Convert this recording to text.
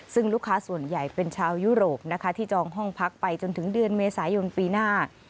ซึ่งลูกค้าส่วนใหญ่เป็นชาวยุโรปนะคะที่จองห้องพักไปจนถึงเดือนเมษายนปีหน้า